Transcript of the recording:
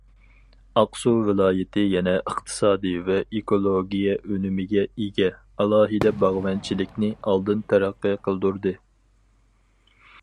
ئاقسۇ ۋىلايىتى يەنە ئىقتىسادىي ۋە ئېكولوگىيە ئۈنۈمىگە ئىگە ئالاھىدە باغۋەنچىلىكنى ئالدىن تەرەققىي قىلدۇردى.